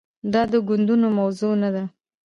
دا د ګوندونو موضوع نه ده.